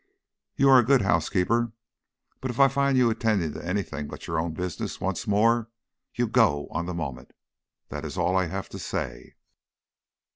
You are a good housekeeper, but if I find you attending to anything but your own business, once more, you go on the moment. That is all I have to say."